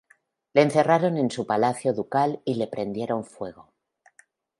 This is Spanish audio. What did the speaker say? Le encerraron en su palacio ducal y le prendieron fuego.